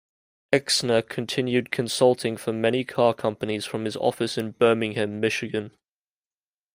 Exner continued consulting for many car companies from his office in Birmingham, Michigan.